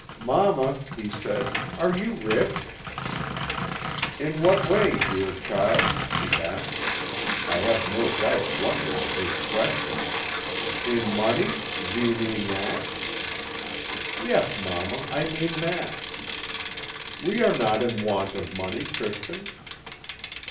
"'Mamma,' he said, 'are you rich?' "'In what way, dear child?' she asked, I have no doubt wondering at his question; 'in money? Do you mean that?' "'Yes, mamma, I mean that.' "'We are not in want of money, Christian.'